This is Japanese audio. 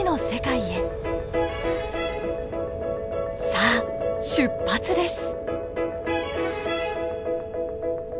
さあ出発です！